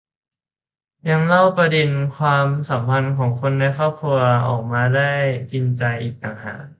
ยังเล่าประเด็นความสัมพันธ์ของคนในครอบครัวออกมาได้กินใจอีกต่างหาก